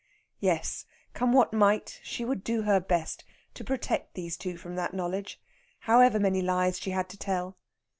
Yes, come what might, she would do her best to protect these two from that knowledge, however many lies she had to tell.